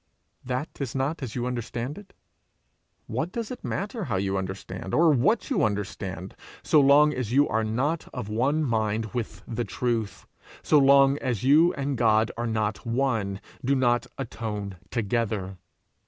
That is not as you understand it? What does it matter how you understand, or what you understand, so long as you are not of one mind with the Truth, so long as you and God are not at one, do not atone together?